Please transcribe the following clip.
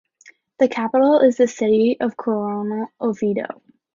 The capital is the city of Coronel Oviedo.